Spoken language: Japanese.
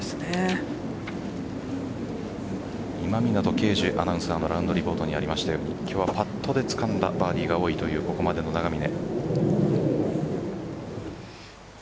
今湊敬樹アナウンサーラウンドリポートにもありましたように今日はパットでつかんだバーディーが多いというここまでの永峰。